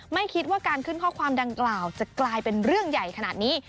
ไม่คิดว่าการขึ้นข้อความดังกล่าวจะกลายเป็นเรื่องใหญ่ขนาดนี้